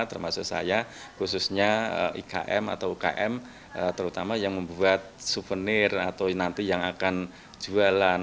termasuk saya khususnya ikm atau ukm terutama yang membuat souvenir atau nanti yang akan jualan